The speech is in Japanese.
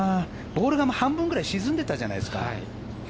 ボールが半分ぐらい沈んでたじゃないですか。